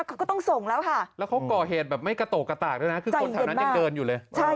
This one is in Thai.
เขาก็ต้องส่งแล้วค่ะแล้วเขาก่อเหตุแบบไม่กะโตะกะตากด้วยนะ